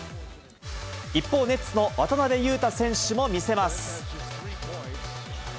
一方、ネッツの渡邊雄太選手も見せます。